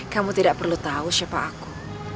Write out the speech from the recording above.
kamu tidak perlu tahu siapa aku